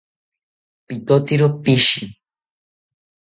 Pitotero pishi